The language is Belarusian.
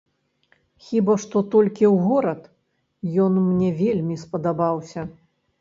Хіба што толькі ў горад, ён мне вельмі спадабаўся.